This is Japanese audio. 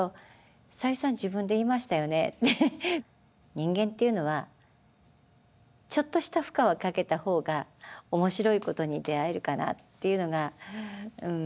人間っていうのはちょっとした負荷はかけた方がおもしろいことに出会えるかなっていうのがうん。